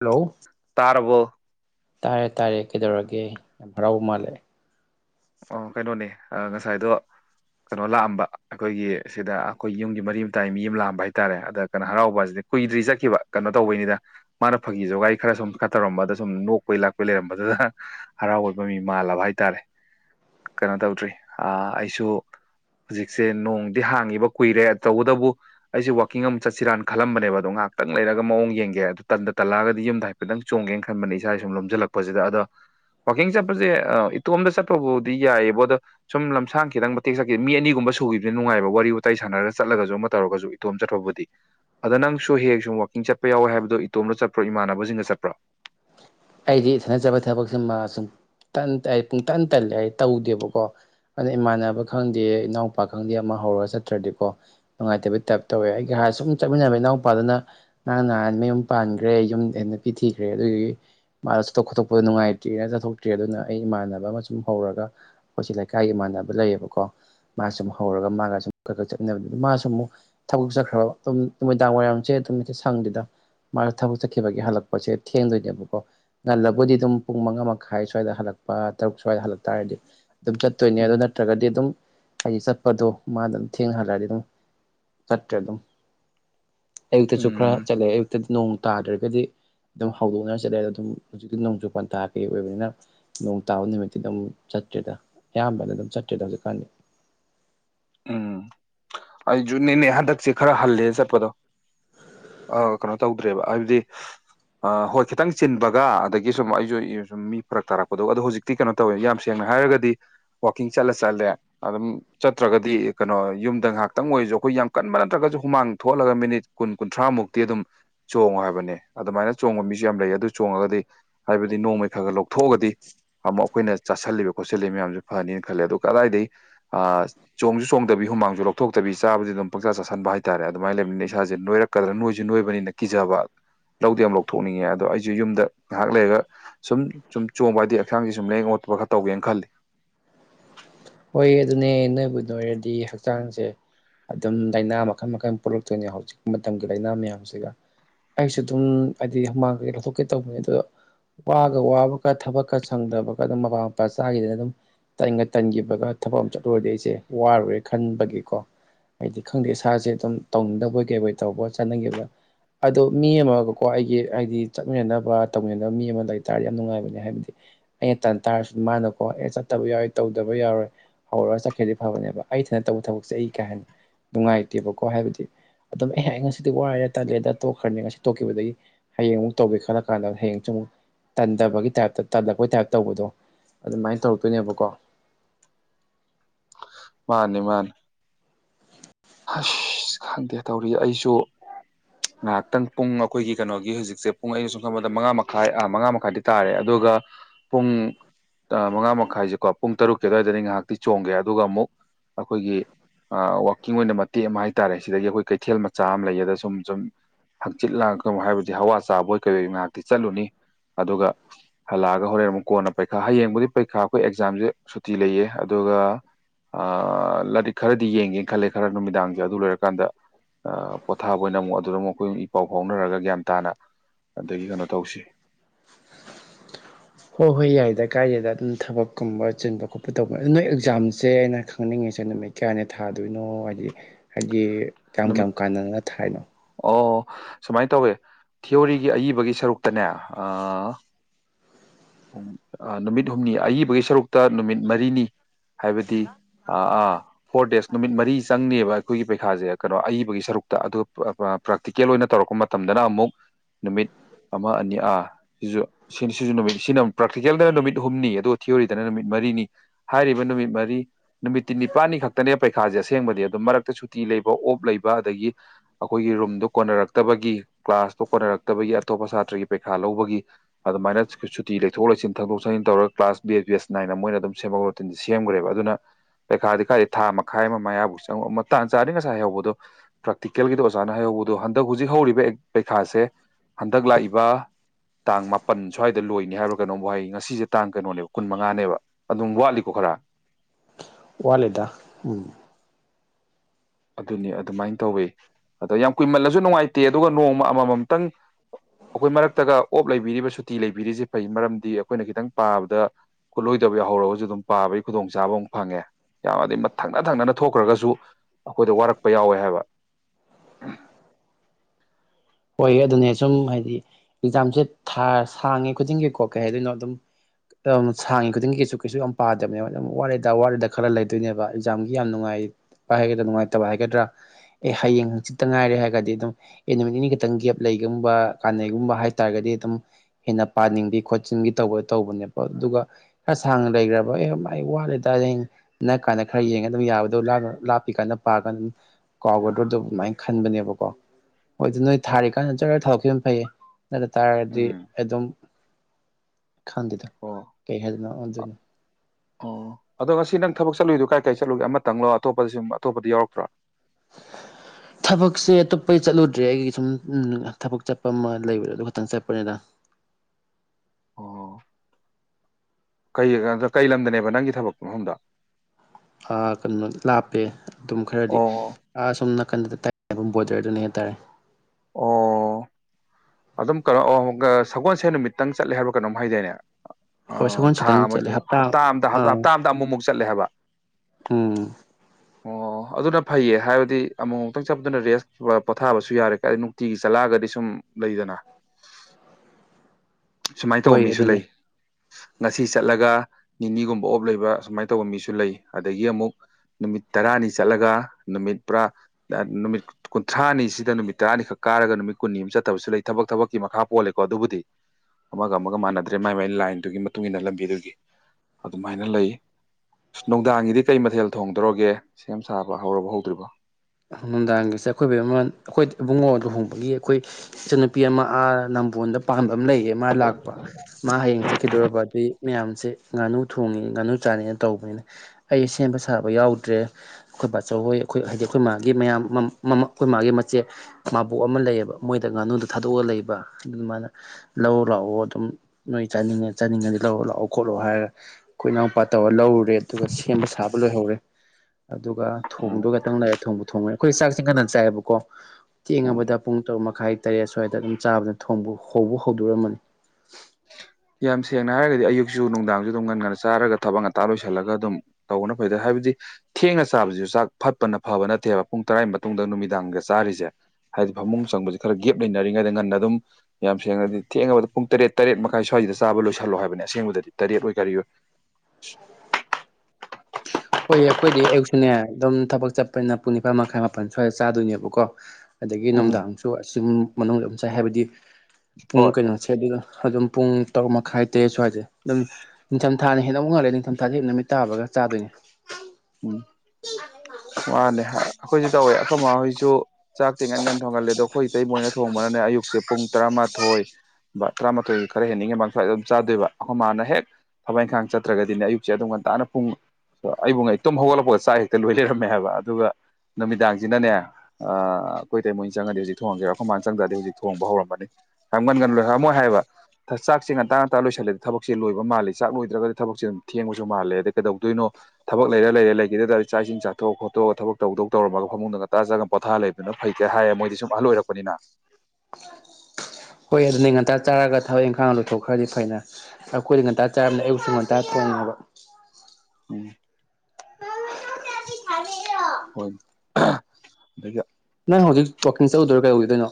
Hello ꯇꯥꯔꯕꯣ ꯇꯥꯔꯦ ꯇꯥꯔꯦ ꯀꯩꯗꯧꯔꯒꯦ ꯌꯥꯝ ꯍꯔꯥꯎꯕ ꯃꯥꯜꯂꯦ ꯑꯣ ꯀꯩꯅꯣꯅꯦ ꯉꯁꯥꯏꯗꯣ ꯀꯩꯅꯣ ꯂꯥꯛꯑꯝꯕ ꯑꯩꯈꯣꯏꯒꯤ ꯁꯤꯗ ꯑꯩꯈꯣꯏ ꯌꯨꯝꯒꯤ ꯃꯔꯤ ꯃꯇꯥꯏ ꯃꯤ ꯑꯃ ꯂꯥꯛꯑꯝ ꯍꯥꯏꯇꯥꯔꯦ ꯑꯗ ꯀꯅꯣ ꯍꯔꯥꯎꯕ ꯑꯁꯤꯗꯤ__ ꯀꯨꯏꯗ꯭ꯔꯤ ꯆꯠꯈꯤꯕ ꯀꯩꯅꯣ ꯇꯧꯕꯩꯅꯤꯗ ꯃꯥꯅ ꯐꯥꯒꯤꯖꯨꯒꯥꯏ ꯈꯔ ꯁꯨꯝ ꯈꯔ ꯇꯧꯔꯝꯕ ꯑꯗ ꯁꯨꯝ ꯅꯣꯛꯄꯩ ꯂꯥꯛꯄꯩ ꯂꯩꯔꯝꯕꯗꯨꯗ ꯍꯔꯥꯎꯕꯩ ꯃꯃꯤ ꯃꯥꯜꯂꯕ ꯍꯥꯏꯇꯥꯔꯦ ꯀꯩꯅꯣ ꯇꯧꯗ꯭ꯔꯤ ꯑ ꯑꯩꯁꯨ ꯍꯧꯖꯤꯛꯁꯦ ꯅꯣꯡꯗꯤ ꯍꯥꯡꯉꯤꯕ ꯀꯨꯏꯔꯦ ꯇꯧꯕꯇꯕꯨ ꯑꯩꯁꯦ ꯋꯥꯥꯛꯀꯤꯡ ꯑꯃꯨꯛ ꯆꯠꯁꯤꯔꯥꯥꯅ ꯈꯜꯂꯝꯕꯅꯦꯕ ꯑꯗꯣ ꯉꯥꯏꯍꯥꯛꯇꯪ ꯂꯩꯔꯒ ꯃꯑꯣꯡ ꯌꯦꯡꯒꯦ ꯑꯗꯨ ꯇꯟꯗ ꯇꯜꯂꯛꯑꯒꯗꯤ ꯌꯨꯝꯗ ꯍꯥꯏ ꯈꯤꯇꯪ ꯆꯣꯡꯒꯦꯅ ꯈꯟꯕꯅꯤ ꯏꯁꯥ ꯁꯨꯝ ꯂꯣꯝꯁꯤꯜꯂꯛꯄꯁꯤꯗ ꯑꯗꯣ ꯋꯥꯥꯛꯀꯤꯡ ꯆꯠꯄꯁꯦ ꯏꯇꯣꯝꯗ ꯆꯠꯄꯕꯨ ꯗꯤ ꯌꯥꯏꯌꯦꯕꯣ ꯑꯗ ꯁꯨꯝ ꯂꯝꯁꯥꯡ ꯈꯤꯇꯪ ꯃꯇꯦꯛ ꯆꯠꯈꯤ ꯃꯤ ꯑꯅꯤꯒꯨꯝꯕ ꯁꯨꯈꯤꯕꯖꯤ ꯅꯨꯡꯉꯥꯏꯕ ꯋꯥꯔꯤ ꯋꯥꯇꯥꯏ ꯁꯅꯔꯒ ꯆꯠꯂꯒꯁꯨ ꯑꯃ ꯇꯧꯔꯒꯁꯨ ꯏꯇꯣꯝ ꯆꯠꯍꯧꯕꯗꯤ ꯑꯗ ꯅꯪꯁꯨ ꯍꯦꯛ ꯁꯨꯝ ꯋꯥꯛꯀꯤꯡ ꯆꯠꯄ ꯌꯥꯎꯋꯦ ꯍꯥꯏꯕꯗꯣ ꯏꯇꯣꯝꯗ ꯆꯠꯄ꯭ꯔꯣ ꯏꯃꯥꯟꯅꯕꯁꯤꯡꯒ ꯆꯠꯄ꯭ꯔꯣ ꯑꯩꯗꯤ ꯏꯊꯟꯗ ꯆꯠꯄ ꯊꯕꯛꯁꯤꯃꯥ ꯁꯨꯝ ꯇꯟ ꯑꯩ ꯄꯨꯡ ꯇꯟ ꯇꯜꯂꯦ ꯍꯥꯏ ꯇꯧꯗꯦꯕꯀꯣ ꯑꯅ ꯏꯃꯥꯟꯅꯕ ꯈꯪꯗꯦ ꯏꯅꯥꯎꯄꯥ ꯈꯪꯗꯦ ꯑꯃ ꯍꯧꯔꯒ ꯆꯠꯇ꯭ꯔꯗꯤꯀꯣ ꯅꯨꯡꯉꯥꯏꯇꯕꯩ ꯇꯥꯏꯞ ꯇꯧꯋꯦ ꯑꯩꯒ ꯍꯥꯟꯅ ꯁꯨꯝ ꯆꯠꯃꯤꯟꯅꯕ ꯏꯅꯥꯎꯄꯥꯗꯨꯅ ꯉꯔꯥꯡ ꯅꯍꯥꯟ ꯃꯌꯨꯝ ꯄꯥꯟꯈ꯭ꯔꯦ ꯌꯨꯝ ꯑꯦ ꯅꯨꯄꯤ ꯊꯤꯈ꯭ꯔꯦ ꯑꯗꯨꯗꯨꯒꯤ ꯃꯥꯗꫭ ꯆꯠꯊꯣꯛ ꯈꯣꯠꯇꯣꯛꯄꯗꫭ ꯅꯨꯡꯉꯥꯏꯇ꯭ꯔꯤꯅ ꯆꯠꯊꯣꯛꯇ꯭ꯔꯤ ꯑꯗꯨꯅ ꯑꯩ ꯏꯃꯥꯟꯅꯕ ꯑꯃ ꯁꯨꯝ ꯍꯧꯔꯒ ꯑꯩꯈꯣꯏꯁꯤ ꯂꯩꯀꯥꯏꯒꯤ ꯏꯃꯥꯟꯅꯕ ꯂꯩꯌꯦꯕꯀꯣ ꯃꯥꯁꯨ ꯁꯨꯝ ꯍꯧꯔꯒ ꯃꯥꯒ ꯁꯨꯝ ꯈꯒ ꯆꯠꯃꯤꯟꯅꯕꯅꯤ ꯗ ꯃꯥꯁꯨ ꯑꯃꯨꯛ ꯊꯕꯛ ꯆꯠꯈ꯭ꯔꯕ ꯑꯗꯨꯝ ꯅꯨꯃꯤꯗꯥꯡ ꯋꯥꯏꯔꯝꯁꯦ ꯑꯗꯨꯝ ꯍꯦꯠꯇ ꯁꯪꯗꯦꯗ ꯃꯥꯗꫭ ꯊꯕꯛ ꯆꯠꯈꯤꯕꯒꯤ ꯍꯜꯂꯛꯄꯁꯦ ꯊꯦꯡꯗꯣꯏꯅꯦꯕꯀꯣ ꯉꯜꯂꯕꯨꯗꯤ ꯑꯗꯨꯝ ꯄꯨꯡ ꯃꯉꯥ ꯃꯈꯥꯏ ꯁ꯭ꯋꯥꯏꯗ ꯍꯜꯂꯛꯄ ꯇꯔꯨꯛ ꯁ꯭ꯋꯥꯏꯗ ꯍꯜꯂꯛ ꯇꯥꯔꯗꯤ ꯑꯗꯨꯝ ꯆꯠ ꯇꯣꯏꯅꯦ ꯑꯗꯨ ꯎꯝ ꯅꯠꯇ꯭ꯔꯒꯗꯤ ꯑꯗꯨꯝ ꯍꯥꯏꯗꯤ ꯆꯠꯄꯗꯣ ꯃꯥꯗꫭ ꯑꯗꯨꯝ ꯊꯦꯡꯅ ꯍꯜꯂꯛꯗꯤ ꯑꯗꯨꯝ ꯆꯠꯇ꯭ꯔꯦ ꯑꯗꯨꯝ ꯑꯌꯨꯛꯇꯁꯨ ꯈꯔ ꯎꯝ ꯆꯠꯂꯦ ꯑꯌꯨꯛꯇꯗꯤ ꯅꯣꯡ ꯇꯥꯗ꯭ꯔꯒꯗꯤ ꯑꯗꯨꯝ ꯍꯧꯗꯣꯛꯅꯔ ꯆꯠꯂꯦ ꯑꯗꯨꯝ ꯍꯧꯖꯤꯛꯇꯤ ꯅꯣꯡꯖꯨ ꯄꯟꯊꯥ ꯀꯩ ꯑꯣꯏꯕꯅꯤꯅ ꯅꯣꯡ ꯇꯥꯕ ꯅꯨꯃꯤꯠꯇꯤ ꯑꯗꯨꯝ ꯆꯠꯇ꯭ꯔꯦꯗ ꯑꯌꯥꯝꯕꯅ ꯑꯗꯨꯝ ꯆꯠꯇ꯭ꯔꯦꯗ ꯍꯧꯖꯤꯛꯀꯥꯟꯗꯤ ꯎꯝ ꯑꯩꯁꯨꯅꯤꯅꯦ ꯍꯟꯗꯛꯁꯦ ꯈꯔ ꯍꯜꯂꯦ ꯆꯠꯄꯗꯣ ꯑ ꯀꯩꯅꯣ ꯇꯧꯗ꯭ꯔꯦꯕ ꯍꯥꯏꯕꯗꯤ ꯑ ꯍꯣꯏ ꯈꯤꯇꯪ ꯆꯤꯟꯕꯒ ꯑꯗꯒꯤ ꯁꯨꯝ ꯑꯩꯁꯨ ꯁꯨꯝ ꯃꯤ ꯐꯔꯛ ꯇꯥꯔꯛꯄꯗꯨꯒ ꯑꯗꯣ ꯍꯧꯖꯤꯛ ꯇꯤ ꯀꯩꯅꯣ ꯇꯧꯋꯦ ꯌꯥꯝ ꯁꯦꯡꯅ ꯍꯥꯏꯔꯒꯗꯤ ꯋꯥꯛꯀꯤꯡ ꯆꯠꯂ ꯆꯠꯂꯦ ꯑꯗꯨꯝ ꯆꯠ ꯇ꯭ꯔꯒꯗꯤ ꯀꯩꯅꯣ ꯌꯨꯝꯗ ꯉꯥꯏꯍꯥꯛꯇꯪ ꯑꯣꯏꯔꯁꯨ ꯑꯩꯈꯣꯏ ꯌꯥꯝ ꯀꯟꯕ ꯅꯠꯇ꯭ꯔꯒꯁꯨ ꯍꯨꯃꯥꯡ ꯊꯣꯛꯍꯜꯂꯒ ꯃꯤꯅꯤꯠ ꯀꯨꯟ ꯀꯨꯟꯊ꯭ꯔꯥ ꯃꯨꯛꯇꯤ ꯑꯗꯨꯝ ꯆꯣꯡꯉꯣ ꯍꯥꯏꯕꯅꯦ ꯑꯗꯨꯃꯥꯏꯅ ꯆꯣꯡꯕ ꯃꯤꯁꯨ ꯌꯥꯝ ꯂꯩ ꯑꯗꯨ ꯆꯣꯡꯉꯒꯗꯤ ꯍꯥꯏꯕꯗꯤ ꯅꯣꯡꯃꯩ ꯈꯒ ꯈꯒ ꯂꯧꯊꯣꯛꯑꯒꯗꯤ ꯑꯃꯨꯛ ꯑꯩꯈꯣꯏꯅ ꯆꯥꯥꯁꯜꯂꯤꯕ ꯈꯣꯠꯆꯜꯂꯤꯕ ꯃꯌꯥꯝꯁꯦ ꯐꯅꯤꯅ ꯈꯜꯂꯦ ꯑꯗꯨꯒ ꯀꯗꯥꯏꯗꯧ ꯑ ꯆꯣꯡꯁꯨ ꯆꯣꯡꯗꯕꯤ ꯍꯨꯃꯥꯡꯁꯨ ꯂꯧꯊꯣꯛꯇꯕꯤ ꯆꯥꯕꯨꯗꯤ ꯑꯗꯨꯝ ꯄꯥꯛꯆꯥꯥ ꯆꯥꯥꯁꯟꯕ ꯍꯥꯏꯇꯥꯔꯦ ꯑꯗꯨꯃꯥꯏ ꯂꯩꯕꯅꯤꯅ ꯏꯁꯥꯁꯦ ꯅꯣꯏꯔꯛꯀꯗ꯭ꯔꯥ ꯅꯣꯏꯁꯨ ꯅꯣꯏꯕꯅꯤꯅ ꯀꯤꯖꯕ ꯂꯧꯗꯤ ꯌꯥꯝ ꯂꯧꯊꯣꯛꯅꯤꯡꯉꯦ ꯑꯗꯣ ꯑꯩꯁꯨ ꯌꯨꯝꯗ ꯉꯥꯏꯍꯥꯛ ꯂꯩꯔꯒ ꯁꯨꯝ ꯁꯨꯝ ꯆꯣꯡꯕ ꯍꯥꯏꯗꯤ ꯍꯛꯆꯥꯡꯁꯦ ꯁꯨꯝ ꯂꯦꯡ ꯑꯣꯠꯄ ꯈꯔ ꯇꯧꯒꯦꯅ ꯈꯜꯂꯤ ꯍꯣꯏ ꯑꯗꯨꯅꯦ ꯅꯣꯏꯕꯨ ꯅꯣꯏꯔꯗꯤ ꯍꯛꯆꯥꯡꯁꯦ ꯑꯗꯨꯝ ꯂꯥꯏꯅꯥ ꯃꯈꯟ ꯃꯈꯟ ꯄꯣꯛꯂꯛꯇꯣꯏꯅꯦ ꯍꯧꯖꯤꯛ ꯃꯇꯝꯒꯤ ꯂꯥꯏꯅꯥ ꯃꯌꯥꯝꯁꯤꯒ ꯑꯩꯁꯨ ꯑꯗꯨꯝ ꯍꯥꯏꯗꯤ ꯍꯨꯃꯥꯡ ꯀꯩ ꯂꯧꯊꯣꯛꯀꯦ ꯇꯧꯕꯅꯦ ꯑꯗꯣ ꯋꯥꯒ ꯋꯥꯕꯒ ꯊꯕꯛꯀ ꯁꯪꯗꯕꯒ ꯑꯗꯨꯝ ꯃꯄꯥ ꯃꯄꯥ ꯆꯥꯈꯤꯗꯅ ꯑꯗꯨꯝ ꯇꯟꯒ ꯇꯟꯈꯤꯕ ꯕꯒ ꯊꯕꯛ ꯑꯃ ꯆꯠꯂꯨꯔꯗꯤ ꯑꯩꯁꯦ ꯋꯥꯔꯨꯔꯦ ꯈꯟꯕꯒꯤꯀꯣ ꯍꯥꯏꯗꯤ ꯈꯪꯗꯦ ꯏꯁꯥꯁꯦ ꯑꯗꯨꯝ ꯇꯧꯅꯤꯡꯗꯕꯣꯏ ꯀꯩꯕꯣꯏ ꯇꯧꯕ ꯆꯥꯅꯈꯤꯕ ꯑꯗꯣ ꯃꯤ ꯑꯃꯒꯀꯣ ꯑꯩꯒꯤ ꯍꯥꯏꯗꯤ ꯆꯠꯃꯤꯟꯅꯅꯕ ꯇꯧꯃꯤꯟꯅꯅꯕ ꯃꯤ ꯑꯃ ꯂꯩꯕꯇꯥꯥꯔꯗꯤ ꯌꯥꯝ ꯅꯨꯡꯉꯥꯏꯕꯅꯦ ꯍꯥꯏꯕꯗꯤ ꯑꯩꯅ ꯇꯟ ꯇꯥꯔꯁꯨ ꯃꯥꯅꯀꯣ ꯑꯦ ꯆꯠꯇꯕ ꯌꯥꯎꯔꯣꯏ ꯇꯧꯗꯕ ꯌꯥꯎꯔꯣꯏ ꯍꯧꯔꯒ ꯆꯠꯀꯦꯗꯤ ꯐꯕꯅꯦꯕ ꯑꯩ ꯊꯅ ꯇꯧꯕ ꯊꯕꯛꯁꯦꯏ ꯀꯥ ꯍꯥꯏꯦꯟꯅ ꯅꯨꯡꯉꯥꯏꯇꯦꯕꯀꯣ ꯍꯥꯏꯕꯗꯤ ꯑꯗꯨꯝ ꯑꯩꯍ ꯉꯁꯤꯗꯤ ꯋꯥꯔꯦ ꯇꯜꯂꯦꯗ ꯇꯣꯛꯈ꯭ꯔꯅꯤ ꯉꯁꯤ ꯇꯣꯛꯈꯤꯕꯗꯒꯤ ꯍꯌꯦꯡ ꯑꯃꯨꯛ ꯇꯧꯒꯦ ꯈꯜꯂ ꯀꯥꯟꯗ ꯍꯌꯦꯡꯁꯨ ꯑꯃꯨꯛ ꯇꯟꯗꯕꯒꯤ ꯇꯥꯏꯞꯇ ꯇꯜꯂꯛꯄꯒꯤ ꯇꯥꯏꯞꯇ ꯇꯧꯕꯗꯣ꯫ ꯑꯗꯨꯃꯥꯟꯅ ꯇꯧꯔꯛꯇꯣꯏꯅꯦꯕꯀꯣ ꯃꯥꯅꯤ ꯃꯥꯅꯤ ꯑꯁ ꯈꯪꯗꯦ ꯇꯧꯔꯤꯁꯦ ꯑꯩꯁꯨ ꯉꯥꯏꯍꯥꯛꯇꯪ ꯄꯨꯡ ꯑꯩꯈꯣꯏꯒꯤ ꯀꯩꯅꯣꯒꯤ ꯍꯧꯖꯤꯛꯁꯦ ꯄꯨꯡ ꯑꯩꯅ ꯁꯨꯝ ꯈꯟꯕꯗ ꯃꯉꯥ ꯃꯈꯥꯏ ꯃꯉꯥ ꯃꯈꯥꯏꯗꯤ ꯇꯥꯔꯦ ꯑꯗꯨꯒ ꯄꯨꯡ ꯃꯉꯥ ꯃꯈꯥꯏꯁꯦꯀꯣ ꯄꯨꯡ ꯇꯔꯨꯛꯀꯤ ꯑꯗꯨꯋꯥꯏꯗꯅꯤ ꯉꯥꯏꯍꯥꯛꯇꯤ ꯆꯣꯡꯒꯦ ꯑꯗꯨꯒ ꯑꯃꯨꯛ ꯑꯩꯈꯣꯏꯒꯤ ꯑ ꯋꯥꯀꯤꯡ ꯑꯣꯏꯅ ꯃꯇꯦꯛ ꯑꯃ ꯍꯥꯏꯇꯥꯔꯦ ꯁꯤꯗꯩꯗ ꯑꯩꯈꯣꯏ ꯀꯩꯊꯦꯜ ꯃꯆꯥ ꯑꯃ ꯂꯩ ꯑꯗ ꯁꯨꯝ ꯁꯨꯝ ꯍꯛꯆꯤꯠ ꯂꯥꯡ ꯀꯩꯅꯣ ꯍꯥꯏꯕꯗꯤ ꯍꯋꯥ ꯆꯥꯕꯣꯏ ꯀꯩ ꯉꯍꯥꯛꯇꯤ ꯆꯠꯂꯨꯅꯤ ꯑꯗꯨꯒ ꯍꯜꯂꯛꯑꯒ ꯍꯣꯔꯦꯟ ꯑꯃꯨꯛ ꯀꯣꯟꯅ ꯄꯩꯈꯥ ꯍꯌꯦꯡꯕꯨꯗꯤ ꯄꯩꯈꯥ ꯑꯩꯈꯣꯏ ꯑꯦꯛꯖꯥꯝꯁꯦ ꯁꯨꯇꯤ ꯂꯩꯌꯦ ꯑꯗꯨꯒ ꯂꯥꯏꯔꯤꯛ ꯈꯔꯗꯤ ꯌꯦꯡꯒꯦ ꯈꯜꯂꯦ ꯈꯔ ꯅꯨꯃꯤꯗꯥꯡꯗ ꯑꯗꯨ ꯂꯣꯏꯔꯀꯥꯟꯗ ꯄꯣꯊꯥꯕ ꯑꯣꯏꯅ ꯑꯃꯨꯛ ꯑꯗꯨꯗ ꯑꯃꯨ ꯑꯩꯈꯣꯏ ꯏ ꯄꯥꯎ ꯐꯥꯎꯅꯔꯒ ꯒ꯭ꯌꯥꯟ ꯇꯥꯅ ꯑꯗꯒꯤ ꯀꯩꯅꯣ ꯇꯧꯁꯤ ꯍꯣꯏ ꯍꯣꯏ ꯌꯥꯏꯗ ꯀꯥꯏꯗꯦꯗ ꯑꯗꯨꯝ ꯊꯕꯛꯀꯨꯝꯕ ꯆꯤꯟꯕ ꯈꯣꯠꯄ ꯇꯧꯕ ꯑꯗꯨ ꯅꯣꯏ ꯑꯦꯛꯖꯥꯝꯁꯦ ꯑꯩꯅ ꯈꯪꯅꯤꯡꯉꯤꯁꯦ ꯅꯨꯃꯤꯠ ꯀꯌꯥꯅꯤ ꯊꯥꯗꯣꯏꯅꯣ ꯍꯥꯏꯗꯤ ꯍꯥꯏꯗꯤ ꯀꯌꯥꯝ ꯅꯨꯃꯤꯠ ꯀꯌꯥꯝ ꯀꯥꯟꯅꯗꯅ ꯊꯥꯏꯅꯣ ꯑꯣ ꯁꯨꯃꯥꯏꯅ ꯇꯧꯋꯦ ꯊꯤꯑꯣꯔꯤꯒꯤ ꯑꯏꯕꯒꯤ ꯁꯔꯨꯛꯇꯅꯦ ꯅꯨꯃꯤꯠ ꯍꯨꯝꯅꯤ ꯑꯏꯕꯒꯤ ꯁꯔꯨꯛꯇ ꯅꯨꯃꯤꯠ ꯃꯔꯤꯅꯤ ꯍꯥꯏꯕꯗꯤ ꯐꯣꯔ ꯗꯦꯖ ꯅꯨꯃꯤꯠ ꯃꯔꯤ ꯆꯪꯅꯦꯕ ꯑꯩꯈꯣꯏꯒꯤ ꯄꯩꯈꯥꯁꯦ ꯀꯩꯅꯣ ꯑꯏꯕꯒꯤ ꯁꯔꯨꯛꯇ ꯑ ꯄ꯭ꯔꯥꯛꯇꯤꯀꯦꯜ ꯑꯣꯏꯅ ꯇꯧꯔꯛꯄ ꯃꯇꯝꯗꯅ ꯑꯃꯨꯛ ꯅꯨꯃꯤꯠ ꯑꯃ ꯑꯅꯤ ꯑꯥ ꯁꯤꯖꯨ ꯁꯤꯖꯨ ꯁꯤꯖꯨ ꯅꯨꯃꯤꯠ ꯁꯤꯅ ꯄ꯭ꯔꯥꯛꯇꯤꯀꯦꯜꯗꯅ ꯅꯨꯃꯤꯠ ꯍꯨꯝꯅꯤ ꯑꯗꯨꯒ ꯊꯤꯑꯣꯔꯤꯗꯅ ꯅꯨꯃꯤꯠ ꯃꯔꯤꯅꯤ ꯍꯥꯏꯔꯤꯕ ꯅꯨꯃꯤꯠ ꯃꯔꯤ ꯅꯨꯃꯤꯠꯇꯤ ꯅꯤꯄꯥꯜꯅꯤ ꯈꯛꯇꯅꯦ ꯄꯩꯈꯥꯁꯦ ꯑꯁꯦꯡꯕꯗꯤ ꯑꯗꯨꯝ ꯃꯔꯛꯇ ꯁꯨꯇꯤ ꯂꯩꯕ ꯑꯣꯞ ꯂꯩꯕ ꯑꯗꯒꯤ ꯑꯩꯈꯣꯏꯒꯤ ꯔꯨꯝꯗꯣ ꯀꯣꯟꯅꯔꯛꯇꯕꯒꯤ ꯀ꯭ꯂꯥꯁꯇꯣ ꯀꯣꯟꯅꯔꯛꯇꯕꯒꯤ ꯑꯇꯣꯞꯄ ꯁꯥꯇ꯭ꯔꯒꯤ ꯄꯩꯈꯥ ꯂꯧꯕꯒꯤ ꯑꯗꯨꯃꯥꯏꯅ ꯁꯨꯇꯤ ꯂꯩꯊꯣꯛ ꯂꯩꯁꯤꯟ ꯊꯗꯣꯛ ꯊꯖꯤꯟ ꯇꯧꯔ ꯀ꯭ꯂꯥꯁ ꯕꯦꯁ ꯕꯦꯁ ꯅꯥꯏꯅ ꯃꯣꯏꯅ ꯑꯗꯨꯝ ꯁꯦꯝꯍꯧꯔꯗꯨꯅꯤ ꯁꯦꯝꯒꯔꯦꯕ ꯑꯗꯨꯅ ꯄꯩꯈꯥꯗꯤ ꯀꯥꯏꯗꯩ ꯊꯥ ꯃꯈꯥꯏ ꯑꯃ ꯃꯌꯥꯕꯨꯛ ꯆꯪꯉꯝ ꯇꯥꯟ ꯆꯥꯔꯗꯤ ꯉꯁꯥꯏ ꯍꯥꯏꯍꯧꯕꯗꯣ ꯄ꯭ꯔꯥꯛꯇꯤꯀꯦꯜꯒꯤꯗꯣ ꯑꯣꯖꯥꯅ ꯍꯥꯏꯍꯧꯕꯗꯣ ꯍꯟꯗꯛ ꯍꯧꯖꯤꯛ ꯍꯧꯔꯤꯕ ꯄꯩꯈꯥꯁꯦ ꯍꯟꯗꯛ ꯂꯥꯛꯏꯕ ꯇꯥꯡ ꯃꯥꯄꯟ ꯁ꯭ꯋꯥꯏꯗ ꯂꯣꯏꯅꯤ ꯍꯥꯏꯕ꯭ꯔꯥ ꯀꯩꯅꯣꯝ ꯋꯥꯍꯩ ꯉꯁꯤꯁꯦ ꯇꯥꯡ ꯀꯩꯅꯣꯅꯦꯕ ꯀꯨꯟ ꯃꯉꯥꯅꯦꯕ ꯑꯗꯨꯝ ꯋꯥꯠꯂꯤꯀꯣ ꯈꯔ ꯋꯥꯠꯂꯤꯗ ꯎꯝ ꯑꯗꯨꯅꯤ ꯑꯗꯨꯃꯥꯏꯅ ꯇꯧꯋꯤ ꯑꯗꯣ ꯌꯥꯝ ꯀꯨꯏꯃꯜꯂꯁꯨ ꯅꯨꯡꯉꯥꯏꯇꯦ ꯑꯗꯨꯒ ꯅꯣꯡꯃ ꯑꯃꯃꯝꯇꯪ ꯑꯩꯈꯣꯏ ꯃꯔꯛꯇꯒ ꯑꯣꯞ ꯂꯩꯕꯤꯔꯤꯕ ꯁꯨꯇꯤ ꯂꯩꯕꯤꯔꯤꯁꯤꯖꯦ ꯐꯩ ꯃꯔꯝꯗꯤ ꯑꯩꯈꯣꯏꯅ ꯈꯤꯇꯪ ꯄꯥꯕꯗ ꯈꯨꯠꯂꯣꯏꯗꯕ ꯌꯥꯎꯍꯧꯔꯒꯁꯨ ꯑꯗꯨꯝ ꯄꯥꯕꯒꯤ ꯈꯨꯗꯣꯡꯆꯥꯕ ꯑꯃ ꯐꯪꯉꯦ ꯌꯥꯝ ꯊꯪꯅ ꯊꯪꯅꯅ ꯊꯣꯛꯈ꯭ꯔꯒꯁꯨ ꯑꯩꯈꯣꯏꯗ ꯋꯥꯔꯛꯄ ꯌꯥꯎꯋꯦ ꯍꯥꯏꯕ ꯍꯣꯏ ꯑꯗꯨꯅꯦ ꯁꯨꯝ ꯍꯥꯏꯗꯤ ꯑꯦꯛꯖꯥꯝꯖꯦ ꯊꯥ ꯁꯥꯡꯉꯦ ꯈꯨꯗꯤꯡꯒꯤ ꯀꯣ ꯀꯩ ꯍꯥꯏꯗꯣꯏꯅꯣ ꯑꯗꯨꯝ ꯁꯥꯡꯉꯤ ꯈꯨꯗꯤꯡꯒꯤ ꯀꯩꯁꯨ ꯀꯩꯁꯨ ꯌꯥꯝ ꯄꯥꯗꯕꯅꯦꯕ ꯑꯗꯨꯝ ꯋꯥꯔꯦꯗ ꯋꯥꯔꯦꯗ ꯈꯔ ꯂꯩꯗꯣꯏꯅꯦꯕ ꯑꯦꯛꯖꯥꯝꯒꯤ ꯌꯥꯝ ꯅꯨꯡꯉꯥꯏ ꯍꯥꯏꯒꯗ꯭ꯔꯥ ꯅꯨꯡꯉꯥꯏꯇꯕ ꯍꯥꯏꯒꯗ꯭ꯔꯥ ꯑꯦ ꯍꯌꯦꯡ ꯍꯪꯆꯤꯠꯇ ꯉꯥꯏꯔꯦ ꯍꯥꯏꯔꯒꯗꯤ ꯑꯗꯨꯝ ꯑꯦ ꯅꯨꯃꯤꯠ ꯅꯤꯅꯤ ꯈꯤꯇꯪ ꯒꯦꯞ ꯂꯩꯒꯨꯝꯕ ꯀꯥꯟꯅꯩꯒꯨꯝꯕ ꯍꯥꯏꯇꯥꯔꯒꯗꯤ ꯑꯗꯨꯝ ꯍꯦꯟꯅ ꯄꯥꯅꯤꯡꯕꯤ ꯈꯣꯠꯆꯤꯟꯒꯤ ꯇꯧꯕ ꯇꯧꯕꯅꯦꯕ ꯑꯗꯨꯒ ꯈ ꯁꯥꯡꯅ ꯂꯩꯈ꯭ꯔꯕ ꯑꯦ ꯑꯩꯥꯏ ꯋꯥꯠꯂꯤꯗ ꯌꯦꯡ ꯅꯛꯀꯥꯟꯗ ꯈꯔ ꯌꯦꯡꯉ ꯑꯗꯨꯝ ꯌꯥꯕꯗꯣ ꯂꯥꯞꯄꯤ ꯀꯥꯟꯗ ꯄꯥ ꯀꯥꯟ ꯑꯗꯨꯝ ꯀꯥꯎꯒꯗ꯭ꯔꯣ ꯑꯗꯨ ꯑꯗꯨꯃꯥꯏꯅ ꯈꯟꯕꯅꯦꯕꯀꯣ ꯍꯣꯏ ꯑꯗꯨ ꯅꯣꯏ ꯊꯥꯔꯤ ꯀꯥꯟꯗ ꯖꯔ ꯊꯥꯗꯣꯛꯈꯤꯝꯅ ꯐꯩꯌꯦ ꯅꯠꯇ ꯇꯥꯔꯒꯗꯤ ꯎꯝ ꯑꯗꯨꯝ ꯈꯪꯗꯦꯗ ꯑꯣ ꯀꯩ ꯍꯥꯏꯗꯣꯏꯅ ꯑꯗꯨ ꯑꯣ ꯑꯗꯣ ꯉꯁꯤ ꯅꯪ ꯊꯕꯛ ꯆꯠꯂꯨꯏꯗꯣ ꯀꯥꯏ ꯀꯥꯏ ꯆꯠꯂꯨꯒꯦ ꯑꯃꯇꯪꯂꯣ ꯑꯇꯣꯞꯄꯗꯤ ꯁꯨ ꯑꯇꯣꯞꯄꯗꯤ ꯌꯥꯎꯔꯛꯇ꯭ꯔꯥ [inaudible] ꯊꯕꯛꯁꯦ ꯑꯇꯣꯞꯄꯩ ꯆꯠꯂꯨꯗ꯭ꯔꯦ ꯑꯩꯒꯤ ꯁꯨꯝ ꯊꯕꯛ ꯆꯠꯄ ꯑꯃ ꯂꯩꯕꯗꯣ ꯑꯗꯨ ꯈꯛꯇꯪ ꯆꯠꯄꯅꯤꯗ꯫ ꯑꯣ ꯀꯩ ꯖꯒꯥꯗ ꯀꯩ ꯂꯝꯗꯅꯦꯕ ꯅꯪꯒꯤ ꯊꯕꯛ ꯃꯐꯝꯗꯣ꯫ ꯑꯥ ꯀꯩꯅꯣ ꯂꯥꯞꯄꯦ ꯑꯗꯨꯝ ꯈꯔꯗꯤ꯫ ꯑꯣ ꯑꯥ ꯑꯁꯣꯝ ꯅꯥꯀꯟꯗ ꯇꯥꯏ [unintelligible] ꯕꯣꯔꯗꯔꯗꯅꯦ ꯍꯥꯏꯇꯥꯔꯦ꯫ ꯑꯣ ꯑꯗꯨꯝ ꯀꯩꯅꯣ ꯑꯣ ꯁꯒꯣꯜꯁꯦꯟ ꯅꯨꯃꯤꯠꯇꯪ ꯆꯠꯂꯦ ꯍꯥꯏꯕ꯭ꯔ ꯀꯩꯅꯣꯝ ꯍꯥꯏꯗꯥꯏꯅꯦ꯫ ꯑ ꯍꯣꯏ ꯊꯥ ꯁꯒꯣꯜꯁꯤꯗꯪ ꯑꯃꯒꯤ ꯆꯠꯂꯦ ꯍꯞꯇꯥ ꯑꯃꯗ ꯑꯥ ꯍꯞꯇꯥ ꯑꯃꯗ ꯑꯃꯨꯛꯃꯨꯛ ꯆꯠꯂꯦ ꯍꯥꯏꯕ꯫ ꯎꯝ꯫ ꯑꯣ ꯑꯗꯨꯅ ꯐꯩꯌꯦ ꯍꯥꯏꯕꯗꯤ ꯑꯃꯨꯃꯨꯛꯇꯪ ꯆꯠꯄꯗꯨꯅ ꯔꯦꯁ ꯄꯣꯊꯥꯕꯁꯨ ꯌꯥꯔꯦ ꯀꯥꯏꯗꯩ ꯅꯨꯡ ꯇꯤꯒꯤ ꯆꯠꯂꯛꯑꯒꯗꯤ ꯁꯨꯝ ꯂꯩꯗꯅ꯫ ꯁꯨꯃꯥꯏꯅ ꯇꯧꯕ ꯍꯣꯏ ꯃꯤꯁꯨ ꯑꯗꯨꯅꯦ ꯂꯩ꯫ ꯉꯁꯤ ꯆꯠꯂꯒ ꯅꯤꯅꯤꯒꯨꯝꯕ ꯑꯣꯞ ꯂꯩꯕ ꯁꯨꯃꯥꯏꯅ ꯇꯧꯕ ꯃꯤꯁꯨ ꯂꯩ ꯑꯗꯒꯤ ꯑꯃꯨꯛ ꯅꯨꯃꯤꯠ ꯇꯔꯥꯅꯤ ꯆꯠꯂꯒ ꯅꯨꯃꯤꯠ ꯄꯨꯔꯥ ꯅꯨꯃꯤꯠ ꯀꯨꯟꯊ꯭ꯔꯥꯅꯤꯁꯤꯗ ꯅꯨꯃꯤꯠ ꯇꯔꯥꯅꯤꯈꯛ ꯀꯥꯔꯒ ꯅꯨꯃꯤꯠ ꯀꯨꯟꯅꯤꯃ ꯆꯠꯇꯕꯁꯨ ꯂꯩ ꯊꯕꯛ ꯊꯕꯛꯀꯤ ꯃꯈꯥ ꯄꯣꯜꯂꯦꯀꯣ ꯑꯗꯨꯕꯨꯗꯤ꯫ ꯑꯃꯒ ꯑꯃꯒ ꯃꯥꯟꯅꯗ꯭ꯔꯦ ꯃꯥꯏ ꯃꯥꯏ ꯂꯥꯏꯟꯗꯨꯒꯤ ꯃꯇꯨꯡ ꯏꯟꯅ ꯂꯝꯕꯤꯗꯨꯒꯤ ꯑꯗꯨꯃꯥꯏꯅ ꯂꯩ꯫ ꯅꯨꯡꯗꯥꯡꯒꯤꯗꯤ ꯀꯩ ꯃꯊꯦꯜ ꯊꯣꯡꯗꯧꯔꯒꯦ ꯁꯦꯝ ꯁꯥꯕ ꯍꯧꯔꯕꯣ ꯍꯧꯗ꯭ꯔꯤꯕꯣ꯫ ꯅꯨꯡꯗꯥꯡꯒꯤꯁꯦ ꯑꯩꯈꯣꯏ ꯕꯦꯝꯃ ꯑꯩꯈꯣꯏ ꯏꯕꯨꯡꯉꯣ ꯂꯨꯍꯣꯡꯕꯒꯤ ꯑꯩꯈꯣꯏ ꯏꯆꯟꯅꯨꯄꯤ ꯑꯃ ꯑꯥ ꯅꯝꯕꯣꯟꯗ ꯄꯥꯟꯕ ꯑꯃ ꯂꯩꯌꯦ ꯃꯥ ꯂꯥꯛꯄ ꯃꯥ ꯍꯌꯦꯡ ꯆꯠꯈꯤꯗꯣꯔꯕ ꯑꯗꯨꯏ ꯃꯌꯥꯝꯁꯦ ꯉꯥꯅꯨ ꯊꯣꯡꯉꯤ ꯉꯥꯅꯨ ꯆꯥꯅꯤꯅ ꯇꯧꯕꯅꯤꯗ꯫ ꯑꯩ ꯁꯦꯝꯕ ꯁꯥꯕ ꯌꯥꯎꯗ꯭ꯔꯦ ꯑꯩꯈꯣꯏ ꯕꯥꯆꯧꯍꯣꯏ ꯑꯩꯈꯣꯏ ꯍꯥꯏꯗꯤ ꯑꯩꯈꯣꯏ ꯃꯥꯒꯤ ꯃꯌꯥꯝ ꯑꯩꯈꯣꯏ ꯃꯥꯒꯤ ꯃꯆꯦ ꯃꯥꯕꯣꯛ ꯑꯃ ꯂꯩꯑꯦꯕ ꯃꯣꯏꯗ ꯉꯥꯅꯨꯗꯣ ꯊꯥꯗꯣꯛꯑ ꯂꯩꯕ ꯑꯗꯨꯃꯥꯏꯅ ꯂꯧꯔꯨ ꯂꯥꯛꯑꯣ ꯑꯗꯨꯝ ꯅꯣꯏ ꯆꯥꯅꯤꯡꯉꯦ ꯆꯥꯅꯤꯡꯉꯗꯤ ꯂꯧꯔꯨꯔꯣ ꯂꯥꯛꯑꯣ ꯈꯣꯠꯂꯣ ꯍꯥꯏꯔꯒ ꯑꯩꯈꯣꯏ ꯏꯅꯥꯎꯄꯥ ꯇꯧꯔ ꯂꯧꯔꯨꯔꯦ ꯑꯗꯨꯒ ꯁꯦꯝꯕ ꯁꯥꯕ ꯂꯣꯏꯍꯧꯔꯦ꯫ ꯑꯗꯨꯒ ꯎꯝ ꯊꯣꯡꯗꯨ ꯈꯇꯪ ꯂꯩꯔ ꯊꯣꯡꯕ ꯊꯣꯡꯉꯅꯤ ꯑꯩꯈꯣꯏ ꯆꯥꯛꯁꯤ ꯉꯟꯅ ꯆꯥꯏꯌꯦꯕꯀꯣ꯫ ꯎꯝ ꯊꯦꯡꯉꯕꯗ ꯄꯨꯡ ꯇꯔꯨꯛ ꯃꯈꯥꯏ ꯇꯔꯦꯠ ꯁ꯭ꯋꯥꯏꯗ ꯑꯗꯨꯝ ꯆꯥꯕꯗꯨ ꯊꯣꯡꯕꯨ ꯍꯧꯕꯨ ꯍꯧꯗꯣꯔꯔꯝꯃꯅꯤ꯫ ꯌꯥꯝ ꯁꯦꯡꯅ ꯍꯥꯏꯔꯒꯗꯤ ꯑꯌꯨꯛꯁꯨ ꯅꯨꯡꯗꯥꯡꯁꯨ ꯑꯗꯨꯝ ꯉꯟ ꯉꯟꯅ ꯆꯥꯔꯒ ꯊꯕꯛ ꯉꯟꯇꯥ ꯂꯣꯏꯁꯤꯜꯂꯒ ꯑꯗꯨꯝ ꯇꯧꯕꯅ ꯐꯩꯗ ꯍꯥꯏꯕꯗꯤ ꯊꯦꯡꯅ ꯆꯥꯕꯁꯤꯁꯨ ꯆꯥꯛ ꯐꯠꯄꯅ ꯐꯕ ꯅꯠꯇꯦꯕ ꯄꯨꯡ ꯇꯔꯥꯒꯤ ꯃꯇꯨꯡꯗ ꯅꯨꯃꯤꯗꯥꯡꯒ ꯆꯥꯔꯤꯁꯦ꯫ ꯍꯥꯏꯗꯤ ꯐꯃꯨꯡ ꯆꯪꯕꯁꯤ ꯈꯔ ꯒꯦꯞ ꯂꯩꯅꯔꯤꯉꯩꯗ ꯉꯟꯅ ꯑꯗꯨꯝ ꯌꯥꯝ ꯁꯦꯡꯅꯗꯤ ꯊꯦꯡꯉꯕꯗ ꯄꯨꯡ ꯇꯔꯦꯠ ꯇꯔꯦꯠ ꯃ ꯈꯥꯏ ꯁ꯭ꯋꯥꯏꯁꯤꯗ ꯆꯥꯕ ꯂꯣꯏꯁꯤꯜꯂꯣ ꯍꯥꯏꯕꯅꯦ ꯑꯁꯦꯡꯕꯗꯗꯤ ꯇꯦꯠ ꯑꯣꯏ ꯀꯔꯤ ꯑꯣꯏ꯫ ꯍꯣꯏꯌꯦ ꯑꯩꯈꯣꯏꯗꯤ ꯑꯌꯨꯛꯁꯨꯅꯦ ꯑꯗꯨꯝ ꯊꯕꯛ ꯆꯠꯄꯅꯤꯅ ꯄꯨꯡ ꯅꯤꯄꯥꯟ ꯃꯈꯥꯏ ꯃꯥꯄꯟ ꯁ꯭ꯋꯥꯏꯗ ꯆꯥꯗꯣꯏꯅꯦꯕꯀꯣ꯫ ꯑꯗꯒꯤ ꯎꯝ ꯅꯨꯡꯗꯥꯡꯁꯨ ꯑꯁꯨꯝ ꯃꯅꯨꯡꯗ ꯑꯗꯨꯝ ꯆꯥꯏ ꯍꯥꯏꯕꯗꯤ ꯄꯨꯡ ꯍꯣꯏ ꯀꯩꯅꯣ ꯁꯦ ꯑꯗꯨꯒ ꯑꯗꯨꯝ ꯄꯨꯡ ꯇꯔꯨꯛ ꯃꯈꯥꯏ ꯇꯔꯦꯠ ꯁ꯭ꯋꯥꯏꯁꯦ ꯑꯗꯨꯝ ꯅꯤꯡꯊꯝ ꯊꯥꯅ ꯍꯦꯟꯅꯃꯨꯛ ꯉꯜꯂꯦ ꯅꯤꯡꯊꯝ ꯊꯥ ꯍꯦꯛ ꯅꯨꯃꯤꯠ ꯇꯥꯕꯒ ꯆꯥꯗꯣꯏꯅꯦ꯫ ꯎꯝ ꯃꯥꯅꯦ ꯑꯩꯈꯣꯏꯁꯨ ꯇꯧꯋꯦ ꯑꯩꯈꯣꯏ ꯃꯥ ꯍꯣꯏꯁꯨ ꯆꯥꯛ ꯇꯤ ꯉꯟꯉꯟ ꯊꯣꯡꯒꯜꯂꯦ ꯑꯗꯣ ꯑꯩꯈꯣꯏ ꯏꯇꯩꯃ ꯍꯣꯏꯅ ꯊꯣꯡꯕꯅꯅꯦ ꯑꯌꯨꯛꯁꯦ ꯄꯨꯡ ꯇꯔꯥꯃꯥꯊꯣꯏ ꯇꯔꯥꯃꯥꯊꯣꯏ ꯈꯔ ꯍꯦꯟꯅꯤꯡꯉꯤꯃꯥꯡ ꯁ꯭ꯋꯥꯏꯗ ꯑꯗꯨꯝ ꯆꯥꯗꯣꯏꯕ ꯑꯩꯈꯣꯏ ꯃꯥꯅ ꯍꯦꯛ ꯊꯕꯛ ꯏꯪꯈꯥꯡ ꯆꯠꯇ꯭ꯔꯒꯗꯤꯅꯦ ꯑꯌꯨꯛꯁꯦ ꯑꯗꯨꯝ ꯉꯟꯇꯥꯅ ꯄꯨꯡ ꯑꯩꯕꯨ ꯉꯛꯏ ꯇꯨꯝ ꯍꯧꯒꯠꯂꯛꯄꯒ ꯆꯥꯛ ꯍꯦꯛꯇ ꯂꯣꯏ ꯂꯩꯔꯝꯃꯦ ꯍꯥꯏꯕ ꯑꯗꯨꯒ ꯅꯨꯃꯤꯗꯥꯡꯁꯤꯅꯅꯦ ꯑ ꯑꯩꯈꯣꯏ ꯏꯇꯩꯃ ꯑꯣꯏ ꯆꯪꯉꯗꯤ ꯍꯧꯖꯤꯛ ꯊꯣꯡꯉꯝꯒꯤꯔꯣꯏ ꯑꯩꯈꯣꯏ ꯃꯥꯅ ꯆꯪꯗ꯭ꯔꯗꯤ ꯍꯧꯖꯤꯛ ꯊꯣꯡꯕ ꯍꯧꯔꯝꯃꯅꯤ꯫ ꯌꯥꯝ ꯉꯟꯉꯟ ꯂꯣꯏ ꯃꯣꯏ ꯍꯥꯏꯕ ꯆꯥꯛꯁꯦ ꯉꯟꯇꯥ ꯉꯟꯇꯥ ꯂꯣꯏꯁꯜꯂꯗꯤ ꯊꯕꯛꯁꯦ ꯂꯣꯏꯕ ꯃꯥꯜꯂꯤ ꯆꯥꯛ ꯂꯣꯏꯗ꯭ꯔꯒꯗꯤ ꯊꯕꯛꯁꯦ ꯑꯗꯨꯝ ꯊꯦꯡꯕꯁꯨ ꯃꯥꯜꯂꯦ ꯑꯗꯩ ꯀꯩꯗꯣꯏꯅꯣ ꯊꯕꯛ ꯂꯩꯔ ꯂꯩꯔꯦ ꯂꯩꯒꯤꯗ ꯇꯥꯔꯗꯤ ꯆꯥꯛ ꯏꯁꯤꯡ ꯆꯥꯊꯣꯛ ꯈꯣꯠꯇꯣꯛꯑ ꯊꯕꯛ ꯇꯧꯗꯧ ꯇꯧꯔꯝꯃꯒ ꯐꯃꯨꯡꯗ ꯉꯟꯇꯥ ꯆꯪꯉ ꯄꯣꯊꯥ ꯂꯩ ꯕꯅ ꯐꯩ ꯀꯥꯏ ꯍꯥꯏꯌꯦ ꯃꯣꯏꯗꯤ ꯁꯨꯝ ꯑꯍꯜ ꯑꯣꯏꯔꯛꯄꯅꯤꯅ꯫ ꯍꯣꯏ ꯑꯗꯨꯅꯤ ꯉꯟꯇꯥ ꯆꯥꯔꯒ ꯊꯕꯛ ꯏꯪꯈꯥꯡ ꯂꯧꯊꯣꯛꯈ꯭ꯔꯗꯤ ꯐꯩꯅ ꯑꯩꯈꯣꯏꯗꯤ ꯉꯟꯇꯥ ꯆꯥꯔꯝꯅꯤ ꯉꯥꯟꯇꯁꯨ ꯉꯟꯇꯥ ꯊꯣꯡꯉꯦꯕ ꯎꯝ [unintelligible] ꯍꯣꯏ ꯑꯗꯒ ꯅꯪ ꯍꯧꯖꯤꯛ ꯋꯥꯀꯤꯟ ꯆꯠꯂꯨꯗꯣꯏꯔꯣ ꯀꯩꯗꯧꯒꯤꯗꯣꯏꯅꯣ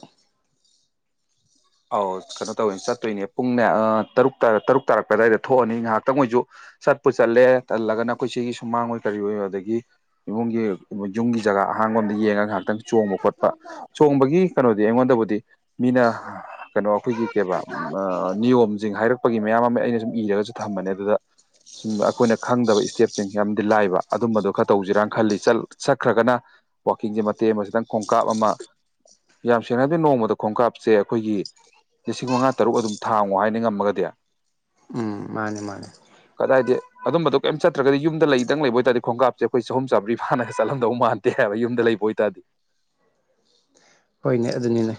ꯑꯧ ꯀꯩꯅꯣ ꯇꯧꯋꯦ ꯆꯠꯇꯣꯏꯅꯦ ꯄꯨꯡꯅꯦ ꯑ ꯇꯔꯨꯛ ꯇꯔꯨꯛ ꯇꯥꯔꯛꯄ ꯑꯗꯨꯋꯥꯏꯗ ꯊꯣꯛꯑꯅꯤ ꯉꯥꯏꯍꯥꯛꯇꯪ ꯑꯣꯏꯖꯨ ꯆꯠꯄꯨ ꯆꯠꯂꯦ ꯇꯜꯂꯒꯅ ꯑꯩꯈꯣꯏ ꯁꯤꯒꯤ ꯁꯨꯃꯥꯡ ꯑꯣꯏ ꯀꯔꯤ ꯑꯣꯏ ꯑꯗꯒꯤ ꯏꯃꯨꯡꯒꯤ ꯌꯨꯝꯒꯤ ꯖꯒꯥ ꯑꯍꯥꯡꯕꯝꯗ ꯌꯦꯡꯉꯒ ꯉꯥꯏꯍꯥꯛꯇꯪ ꯆꯣꯡꯕ ꯈꯣꯠꯄ ꯆꯣꯡꯕꯒꯤ ꯀꯩꯅꯣꯗꯤ ꯑꯩꯉꯣꯟꯗꯕꯨꯗꯤ ꯃꯤꯅ ꯀꯩꯅꯣ ꯑꯩꯈꯣꯏꯒꯤ ꯀꯩꯕꯥ ꯅꯤꯌꯣꯝꯁꯤꯡ ꯍꯥꯏꯔꯛꯄꯒꯤ ꯃꯌꯥꯝ ꯑꯃ ꯑꯩꯅ ꯁꯨꯝ ꯏꯔꯒꯁꯨ ꯊꯝꯕꯅꯦ ꯑꯗꯨꯗ ꯁꯨꯝꯕ ꯑꯩꯈꯣꯏꯅ ꯈꯪꯗꯕ ꯏꯁꯇꯦꯞꯁꯤꯡ ꯌꯥꯝꯗꯤ ꯂꯥꯏꯕ ꯑꯗꯨꯝꯕꯗꯣ ꯈꯔ ꯇꯧꯖꯤꯔꯥꯅ ꯈꯜꯂꯤ ꯆꯠꯈ꯭ꯔꯒꯅ ꯋꯥꯀꯤꯡꯁꯦ ꯃꯇꯦꯛ ꯑꯃ ꯈꯣꯡꯀꯥꯞ ꯑꯃ ꯌꯥꯝ ꯁꯦꯡꯅ ꯍꯥꯏꯔꯗꯤ ꯅꯣꯡꯃꯗ ꯈꯣꯡꯀꯥꯞꯁꯦ ꯑꯩꯈꯣꯏꯒꯤ ꯂꯤꯁꯤꯡ ꯃꯉꯥ ꯇꯔꯨꯛ ꯑꯗꯨꯝ ꯊꯥꯡꯉꯣ ꯍꯥꯏꯅꯤ ꯉꯝꯃꯒꯗꯤ ꯎꯝ ꯃꯥꯅꯦ ꯃꯥꯅꯦ ꯀꯗꯥꯏꯗꯤ ꯑꯗꯨꯝꯕꯗꯣ ꯀꯩꯝ ꯆꯠꯇ꯭ꯔꯒꯗꯤ ꯌꯨꯝꯗ ꯂꯩꯗꯪ ꯂꯩꯕ ꯑꯣꯏꯇꯔꯗꯤ ꯈꯣꯡꯀꯞꯁꯦ ꯑꯩꯈꯣꯏ ꯆꯍꯨꯝ ꯆꯥꯝꯔꯤ ꯐꯥꯅ ꯆꯠꯂꯝꯗꯧ ꯃꯥꯟꯗꯦ ꯇꯦꯕ ꯌꯨꯝꯗ ꯂꯩꯕ ꯑꯣꯏꯇꯥꯔꯗꯤ ꯍꯣꯏꯅꯦ ꯑꯗꯨꯅꯤꯅꯦ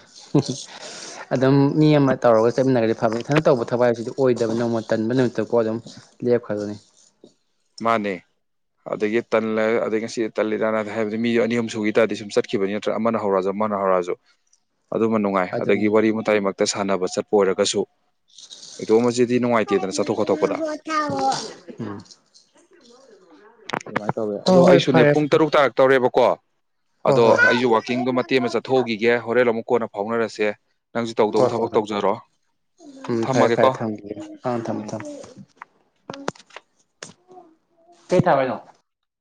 ꯑꯗꯨꯝ ꯃꯤ ꯑꯃ ꯇꯧꯔꯒ ꯆꯠꯃꯤꯟꯅꯔꯗꯤ ꯐꯕ ꯏꯊꯟꯗ ꯇꯧꯕ ꯊꯕꯛ ꯍꯥꯏꯕꯁꯤꯗꯤ ꯑꯣꯏꯗꯕ ꯅꯣꯡꯃ ꯇꯟꯕ ꯅꯨꯃꯤꯠꯇꯀꯣ ꯑꯗꯨꯝ ꯂꯦꯞꯈꯗꯣꯏꯅꯦ ꯃꯥꯅꯦ ꯑꯗꯒꯤ ꯇꯜꯂ ꯑꯗꯒꯤ ꯉꯁꯤꯗꯤ ꯇꯟꯂꯤꯗꯅ ꯍꯥꯏꯕꯖꯦ ꯃꯤ ꯑꯅꯤ ꯑꯍꯨꯝ ꯁꯨꯒꯤ ꯇꯥꯔꯗꯤ ꯁꯨꯝ ꯆꯠꯈꯤꯕꯅꯤ ꯅꯠꯇ꯭ꯔ ꯑꯃꯅ ꯍꯧꯔꯁꯨ ꯑꯃꯅ ꯍꯧꯔꯛꯑꯁꯨ ꯑꯗꯨꯃ ꯅꯨꯡꯉꯥꯏ ꯑꯗꯨꯅꯤ ꯑꯗꯒꯤ ꯋꯥꯔꯤ ꯋꯥꯇꯥꯏꯃꯛꯇ ꯁꯥꯟꯅꯕ ꯆꯠꯄ ꯑꯣꯏꯔꯒꯁꯨ ꯏꯇꯣꯝ ꯃꯁꯤꯗꯤ ꯅꯨꯡꯉꯥꯏꯇꯦꯗꯅ ꯆꯠꯊꯣꯛ ꯈꯣꯠꯇꯣꯛꯄꯗ [unintelligible] ꯑꯗꯨꯃꯥꯏꯅ ꯇꯧꯋꯦ ꯍꯣꯏ ꯑꯗꯣ ꯍꯣꯏ ꯑꯩꯁꯨꯅꯦ ꯐꯔꯦ ꯄꯨꯡ ꯐꯔꯦ ꯇꯔꯨꯛ ꯇꯥꯔꯛ ꯇꯧꯔꯦꯕꯀꯣ ꯍꯣꯏ ꯑꯗꯣ ꯍꯣꯏ ꯍꯣꯏ ꯑꯩꯁꯨ ꯋꯥꯛꯀꯤꯡꯗꯣ ꯃꯇꯦꯛ ꯑꯃ ꯆꯠꯊꯣꯛꯎꯈꯤꯒꯦ ꯍꯣꯔꯦꯟ ꯑꯃꯨꯛ ꯀꯣꯟꯅ ꯐꯥꯎꯅꯔꯁꯦ ꯅꯪꯁꯨ ꯇꯧꯗꯧꯕ ꯍꯣꯏ ꯍꯣꯏ ꯊꯕꯛ ꯍꯣꯏ ꯇꯧꯖꯔꯣ ꯎꯝ ꯐꯔꯦ ꯐꯔꯦ ꯊꯝꯃꯒꯦꯀꯣ ꯊꯝꯃꯒꯦ ꯑ ꯊꯝꯃꯣ ꯎꯝ ꯊꯝꯃꯣ ꯀꯩ ꯊꯥꯕꯥꯏꯅꯣ